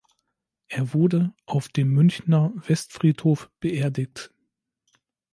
Er wurde auf dem Münchner Westfriedhof beerdigt.